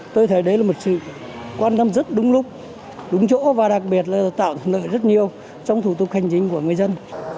tôi thấy đấy là một sự quan tâm rất đúng lúc đúng chỗ và đặc biệt là tạo thuận lợi rất nhiều trong thủ tục hành chính của người dân